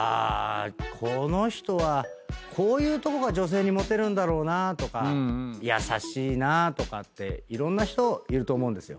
この人はこういうとこが女性にモテるんだろうなとか優しいなとかっていろんな人いると思うんですよ。